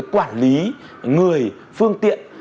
quản lý người phương tiện